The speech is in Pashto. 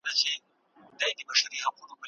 کور زده کړه له خنډونو پاکه ده.